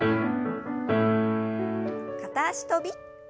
片脚跳び。